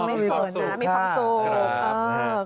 มีความสุข